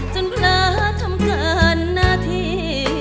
จนพระทำการหน้าที่